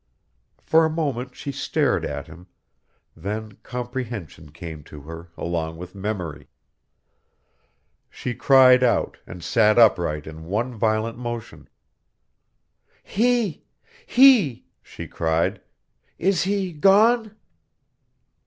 For a moment she stared at him, then comprehension came to her along with memory. She cried out, and sat upright in one violent motion. "He! He!" she cried. "Is he gone?"